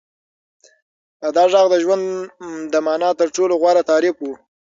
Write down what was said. دا غږ د ژوند د مانا تر ټولو غوره تعریف و.